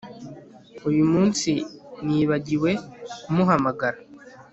Uyu munsi nibagiwe kumuhamagara